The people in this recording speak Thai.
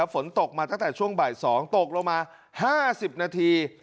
ฝนตกมาตั้งแต่ช่วงบ่าย๒ตกลงมา๕๐นาที